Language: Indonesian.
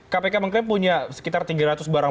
kpk mengklaim punya sekitar tiga ratus barang